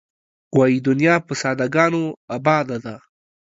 وایې دنیا په ساده ګانو آباده ده.